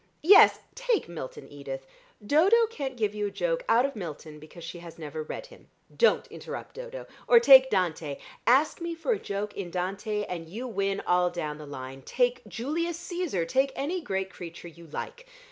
Yes. Take Milton, Edith. Dodo can't give you a joke out of Milton because she has never read him. Don't interrupt, Dodo. Or take Dante. Ask me for a joke in Dante, and you win all down the line. Take Julius Cæsar: take any great creature you like.